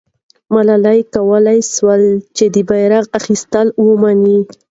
ملالۍ کولای سوای چې د بیرغ اخیستل ومني.